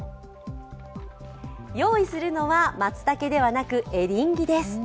用意するのはまつたけではなくエリンギです。